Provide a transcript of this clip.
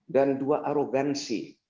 dan dua arogansi